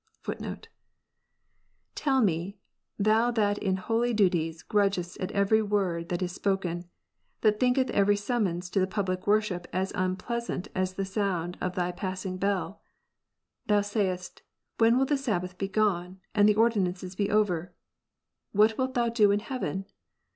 * what is it that they need in order to make them fit to /*" Tell me, thou that in holy duties grudgest at every word that is spoken ; ^iat thinkest every summons to the public worship as unpleasant as the sound of thy passing bell ; that sayest, When will the Sabbath be gone, and the ordinances be over ? What wilt thou do in heaven